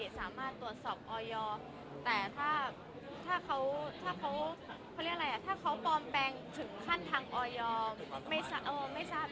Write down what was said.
การต่อมาแล้วแต่ถ้าเขาพอมแปลงที่ขั้นทางอย่างอย่างไม่ซ้าบ